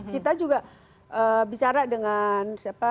kita juga bicara dengan siapa